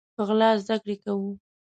په غلا زده کړي کوو